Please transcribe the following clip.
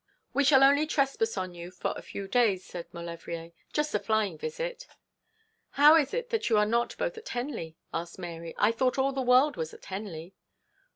'We shall only trespass on you for a few days,' said Maulevrier, 'just a flying visit.' 'How is it that you are not both at Henley?' asked Mary. 'I thought all the world was at Henley.'